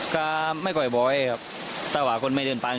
ก็ไม่ค่อยบ่อยครับแต่ว่าคนไม่เดินไป